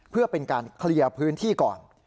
เพื่อเป็นการเคลียร์พื้นที่ก่อน